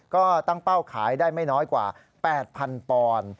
ก็ตั้งเป้าขายได้ไม่น้อยกว่า๘๐๐๐ปอนด์